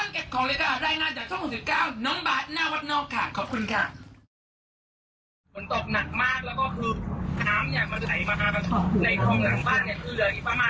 ไม่หัวแล้วนอกเพราะฉะนั้นเก็บของเลยนะคะ